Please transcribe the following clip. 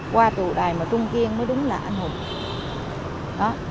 qua thủ đài mà tung kiêng mới đúng là anh hùng